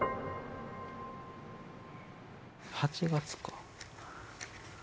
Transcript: ８月か。